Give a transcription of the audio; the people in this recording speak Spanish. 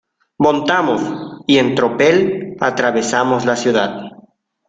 montamos, y en tropel atravesamos la ciudad.